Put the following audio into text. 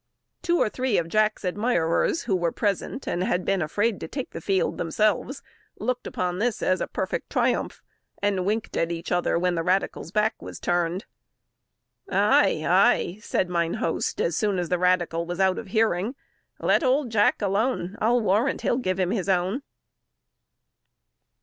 Two or three of Jack's admirers who were present, and had been afraid to take the field themselves, looked upon this as a perfect triumph, and winked at each other when the radical's back was turned. "Ay, ay!" said mine host, as soon as the radical was out of hearing, "let old Jack alone; I'll warrant he'll give him his own!"